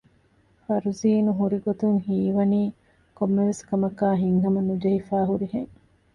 ފަރުޒީނު ހުރިގޮތުން ހީވަނީ ކޮންމެވެސް ކަމަކާއި ހިތްހަމަ ނުޖެހިފައި ހުރިހެން